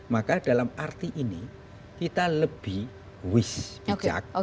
maka dalam arti ini kita lebih wis bijak